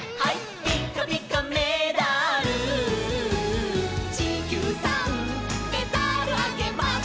「ピッカピカメダル」「ちきゅうさんメダルあげます」